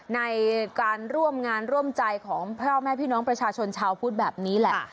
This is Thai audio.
ในการร่วมงานร่วมใจของพ่อแม่พี่น้องประชาชนชาวพุทธแบบนี้แหละ